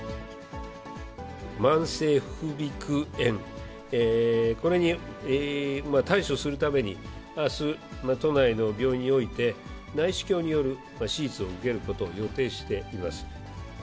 慢性副鼻腔炎、これに対処するために、あす、都内の病院において、内視鏡による手術を受けることを予定しています。